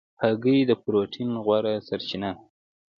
هګۍ د پروټین غوره سرچینه ده.